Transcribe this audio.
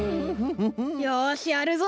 よしやるぞ！